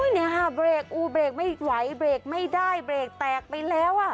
เฮ้ยนะคะเบรกไม่ไหวเบรกไม่ได้เบรกแตกไปแล้ว